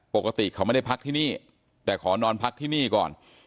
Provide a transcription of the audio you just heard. ปกติเขาไม่ได้พักที่นี่แต่ขอนอนพักที่นี่ก่อน